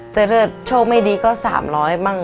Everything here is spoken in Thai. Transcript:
แต่ถ้าเกิดโชคไม่ดีก็สามร้อยบ้าง